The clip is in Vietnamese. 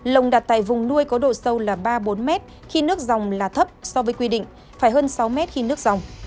lồng đặt tại vùng nuôi có độ sâu là ba bốn mét khi nước dòng là thấp so với quy định phải hơn sáu mét khi nước dòng